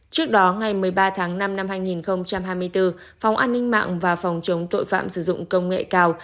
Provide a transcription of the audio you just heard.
trước đó ngày một mươi ba tháng năm năm hai nghìn hai mươi bốn phòng an ninh mạng và phòng chống tội phạm sử dụng công nghệ cao